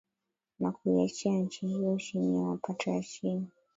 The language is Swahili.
na kuiacha nchi hiyo chini ya mapato ya chini